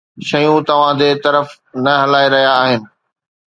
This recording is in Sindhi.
شيون توهان جي طرفان نه هلائي رهيا آهن.